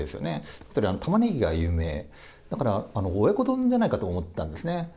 そうしたらたまねぎが有名、だから親子丼じゃないかと思ったんですね。